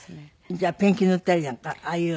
じゃあペンキ塗ったりなんかああいう。